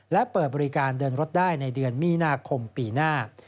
และเปิดบริการเดินรถได้ในเดือนมีนาคมปีหน้า